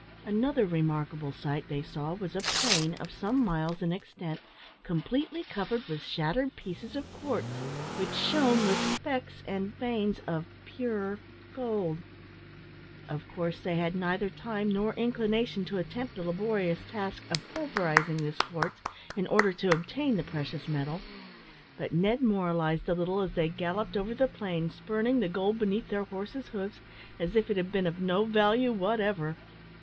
Another remarkable sight they saw was a plain, of some miles in extent, completely covered with shattered pieces of quartz, which shone with specks and veins of pure gold. Of course they had neither time nor inclination to attempt the laborious task of pulverising this quartz in order to obtain the precious metal; but Ned moralised a little as they galloped over the plain, spurning the gold beneath their horses' hoofs, as if it had been of no value whatever!